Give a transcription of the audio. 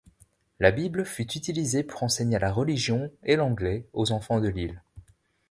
La Bible fut utilisée pour enseigner la religion et l'anglais aux enfants de l'île.